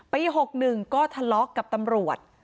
๖๑ก็ทะเลาะกับตำรวจ